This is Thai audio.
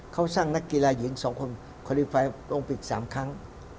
เขาสร้างนักกีฬาหญิง๒คนคอรีไฟล์โอลิปิก๓ครั้ง